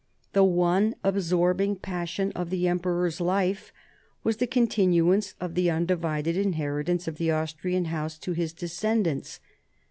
The one absorbing passion of the emperor's life was the continuance of the undivided in heritance of the Austrian House to his own descendants.